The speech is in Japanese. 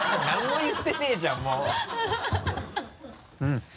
何も言ってねぇじゃん